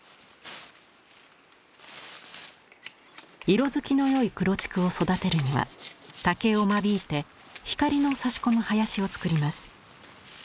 色づきの良い黒竹を育てるには竹を間引いて光のさし込む林をつくります。